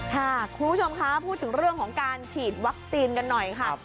ค่ะคุณผู้ชมคะพูดถึงเรื่องของการฉีดวัคซีนกันหน่อยค่ะ